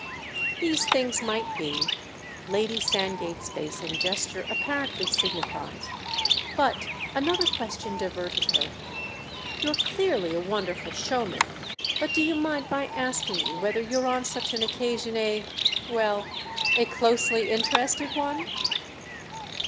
These things might be, Lady Sandgate's face and gesture apparently signified; but another question diverted her. "You're clearly a wonderful showman, but do you mind my asking you whether you're on such an occasion a—well, a closely interested one?"